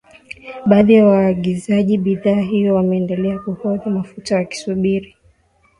Baadhi ya waagizaji bidhaa hiyo wameendelea kuhodhi mafuta wakisubiri